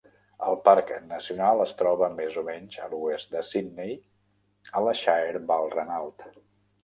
El parc nacional es troba més o menys a l'oest de Sydney, a la Shire Balranald.